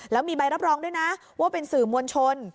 แล้วมีใบรับรองด้วยนะว่าเป็นสื่อมวลชน